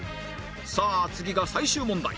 さあ次が最終問題